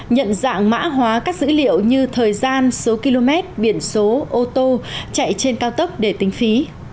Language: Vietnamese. nhận dạng mã hóa các dữ liệu như thời gian số km biển số ô tô chạy trên cao tốc để tính phí